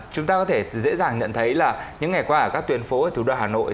chúng ta có thể dễ dàng nhận thấy là những ngày qua ở các tuyến phố ở thủ đô hà nội